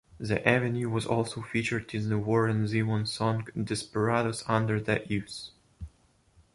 The avenue was also featured in the Warren Zevon song "Desperados Under the Eaves".